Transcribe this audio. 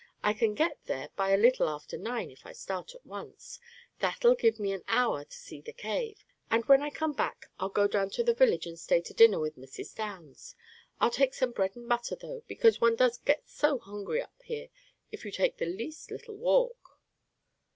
I can get there by a little after nine if I start at once. That'll give me an hour to see the cave, and when I come back I'll go down to the village and stay to dinner with Mrs. Downs. I'll take some bread and butter, though, because one does get so hungry up here if you take the least little walk.